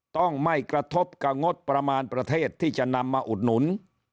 ต้องไม่กระทบกับงบประมาณประเทศที่จะนำมาอุดหนุน